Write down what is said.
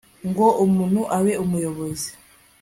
NGO UMUNTU ABE UMUYOBOZI